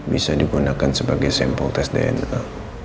bisa digunakan sebagai sampel tes dna